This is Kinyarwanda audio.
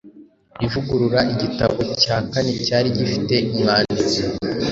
Ivugurura Igitabo cya kane cyari gifite umwanditsi